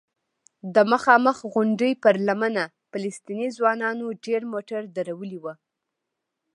د مخامخ غونډۍ پر لمنه فلسطینی ځوانانو ډېر موټر درولي وو.